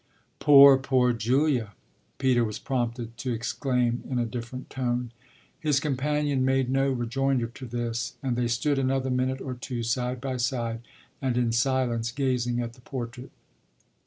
"Poor, poor Julia!" Peter was prompted to exclaim in a different tone. His companion made no rejoinder to this, and they stood another minute or two side by side and in silence, gazing at the portrait.